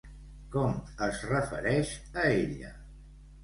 Com es refereix a ella?